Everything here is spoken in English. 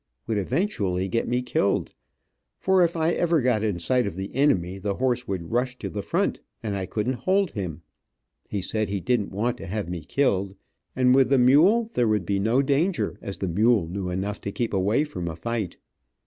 would eventually get me killed, for if I ever got in sight of the enemy the horse would rush to the front, and I couldn't hold him. He said he didn't want to have me killed, and with the mule there would be no danger, as the mule knew enough to keep away from a fight.